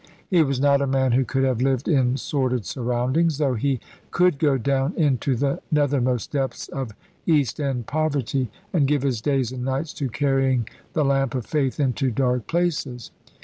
He was not a man who could have lived in sordid surroundings, though he could go down into the nethermost depths of East End poverty, and give his days and nights to carrying the lamp of Faith into dark places.